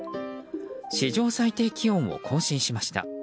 史上最低気温を更新しました。